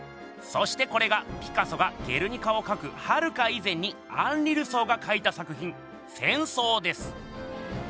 そしてこれがピカソが「ゲルニカ」をかくはるか以前にアンリ・ルソーがかいた作品「戦争」です！